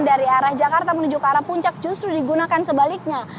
dari arah jakarta menuju ke arah puncak justru digunakan sebaliknya